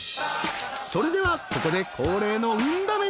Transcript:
［それではここで恒例の］